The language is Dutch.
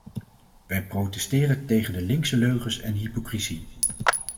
Wij protesteren tegen de linkse leugens en hypocrisie.